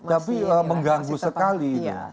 tapi mengganggu sekali